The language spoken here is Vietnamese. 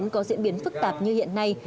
có diễn biến phức tạp như hiện nay